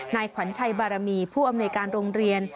นายขวัญชัยบารมีผู้อำนวยการโรงเรียน